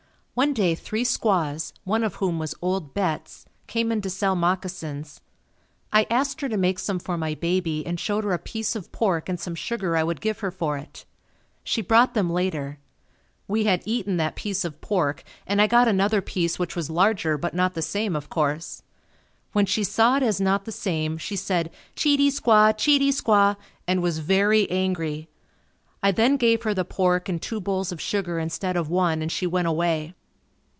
One day three squaws, one of whom was old Betts, came in to sell moccasins. I asked her to make some for my baby and showed her a piece of pork and some sugar I would give her for it. She brought them later. We had eaten that piece of pork and I got another piece which was larger but not the same, of course. When she saw it as not the same, she said, "Cheatey Squaw, Cheatey squaw," and was very angry. I then gave her the pork and two bowls of sugar instead of one and she went away.